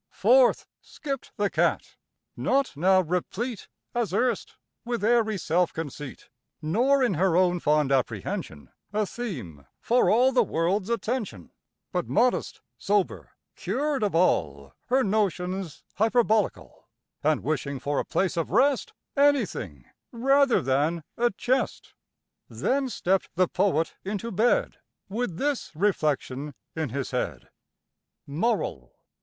Forth skipp'd the cat, not now replete As erst with airy self conceit, Nor in her own fond apprehension A theme for all the world's attention, But modest, sober, cured of all Her notions hyperbolical, And wishing for a place of rest Any thing rather than a chest. Then stepp'd the poet into bed With this reflection in his head: MORAL.